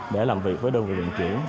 để làm việc với đơn vị vận chuyển